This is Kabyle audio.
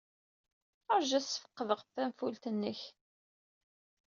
Ṛju ad sfeqdeɣ tanfult-nnek.